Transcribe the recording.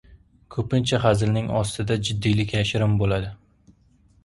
• Ko‘pincha hazilning ostida jiddiylik yashirin bo‘ladi.